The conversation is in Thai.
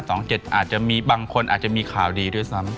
โดยเฉพาะรอบ๒๕๒๗บางคนอาจจะมีข่าวดีด้วยซ้ำ